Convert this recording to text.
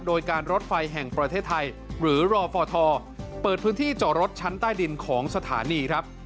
โดยการรถไฟแห่งประเทศไทยหรือรอฟทเปิดพื้นที่จอดรถชั้นใต้ดินของสถานีครับ